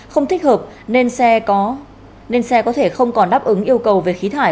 không thích hợp nên xe có thể không còn đáp ứng yêu cầu về khí thải